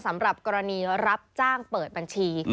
สำหรับกรณีรับจ้างเปิดบัญชี